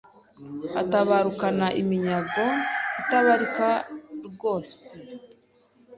atabarukana iminyago itabarika rwose